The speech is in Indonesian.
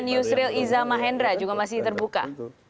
dan yusril iza mahendra juga masih terbuka